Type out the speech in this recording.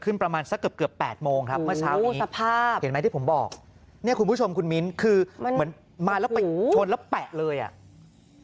เนี่ยคุณผู้ชมคุณมินทร์คือเหมือนมาแล้วไปชนแล้วแปะเลยอ่ะ